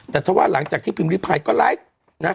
แต่ถ้าว่าหลังจากที่พิมพ์ริพายก็ไลฟ์นะ